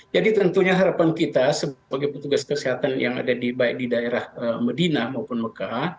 jadi tentunya harapan kita sebagai petugas kesehatan yang ada di daerah madinah maupun mekah